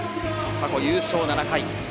過去優勝７回。